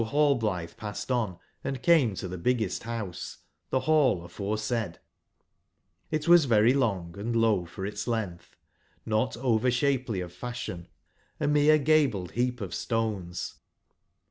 |0 nallblithe passed on and came to the big ^^^ gest house, the hall aforesaid: it was very ^^^ Ion g, & low as for its len gth, no t over shape ly of fashion, a mere gabled heap of stones.